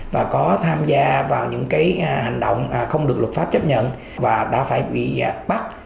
và có tham gia vào những hành động không được luật pháp chấp nhận và đã phải bị bắt